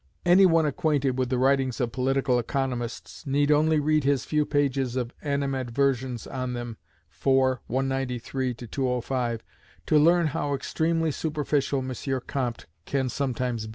Any one acquainted with the writings of political economists need only read his few pages of animadversions on them (iv. 193 to 205), to learn how extremely superficial M. Comte can sometimes be.